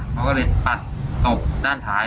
เขาก็เลยปัดตบด้านท้าย